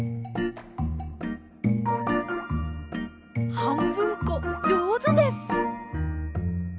はんぶんこじょうずです。